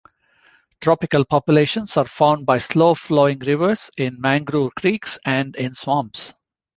Tropical populations are found by slow-flowing rivers, in mangrove creeks and in swamps.